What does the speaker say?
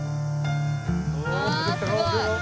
わあすごい。